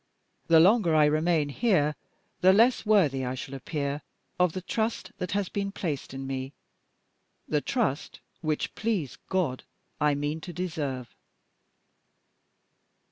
The longer I remain here, the less worthy I shall appear of the trust that has been placed in me the trust which, please God, I mean to deserve."